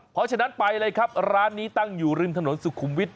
เพราะฉะนั้นไปเลยครับร้านนี้ตั้งอยู่ริมถนนสุขุมวิทย